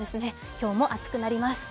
今日も暑くなります。